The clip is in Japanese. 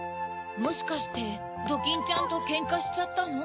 もしかしてドキンちゃんとけんかしちゃったの？